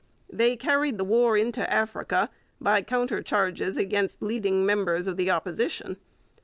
They carried the war into Africa by counter charges against leading members of the Opposition.